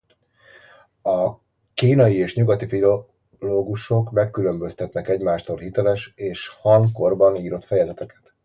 Kínai és nyugati filológusok megkülönböztetnek egymástól hiteles és a Han-korban írott fejezeteket.